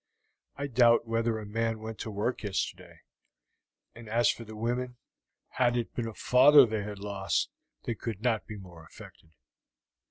I doubt whether a man went to work yesterday, and as for the women, had it been a father they had lost they could not be more affected."